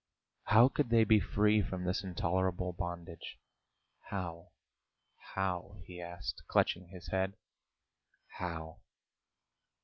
How could they be free from this intolerable bondage? "How? How?" he asked, clutching his head. "How?"